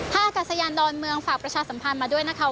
อากาศยานดอนเมืองฝากประชาสัมพันธ์มาด้วยนะคะ